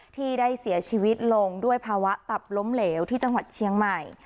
ที่ได้เสียชีวิตลงด้วยภาวะตับล้มเหลวที่จังหวัดเชียงใหม่